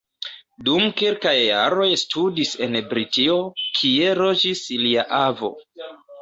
Dum kelkaj jaroj studis en Britio, kie loĝis lia avo.